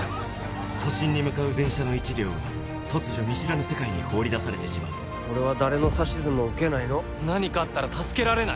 都心に向かう電車の１両が突如見知らぬ世界に放り出されてしまう俺は誰の指図も受けないの何かあったら助けられない